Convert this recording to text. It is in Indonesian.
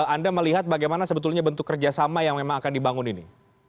anda melihat bagaimana sebetulnya bentuk kerjasama yang memang akan dibangun ini